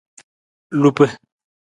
Lupa.